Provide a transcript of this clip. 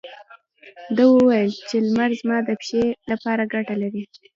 ده وويل چې لمر زما د پښې لپاره ګټه لري.